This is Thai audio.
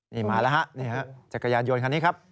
นี่มาแล้วครับจักรยานยนต์คันนี้ครับ